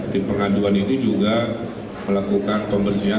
tim pengaduan itu juga melakukan pembersihan